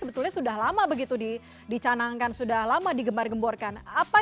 sebetulnya sudah lama begitu dicanangkan sudah lama digembar gemborkan